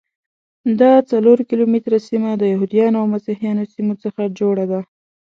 دا څلور کیلومتره سیمه د یهودانو او مسیحیانو سیمو څخه جوړه ده.